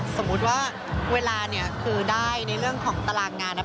สมมุติว่าเวลาเนี่ยคือได้ในเรื่องของตารางงานนะ